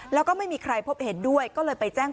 แล้วก็ไม่มีใครพบเห็นด้วยก็เลยไปแจ้ง